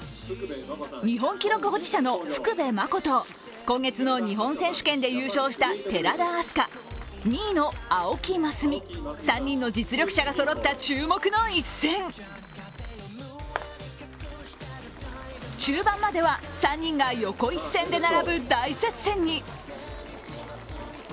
日本記録保持者の福部真子と今月の日本選手権で優勝した寺田明日香、２位の青木益未３人の実力者がそろった注目の一戦中盤までは３人が横一線で並ぶ大接戦に。